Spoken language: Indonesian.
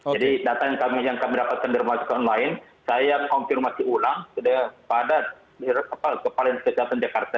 jadi data yang kami dapatkan di rumah sakit lain saya konfirmasi ulang pada kepala kesehatan jakarta